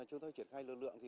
chúng tôi chuyển khai lực lượng